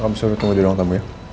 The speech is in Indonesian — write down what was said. kamu suruh tunggu di ruang tamu ya